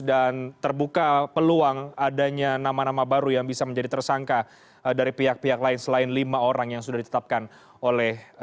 dan terbuka peluang adanya nama nama baru yang bisa menjadi tersangka dari pihak pihak lain selain lima orang yang sudah ditetapkan oleh kpk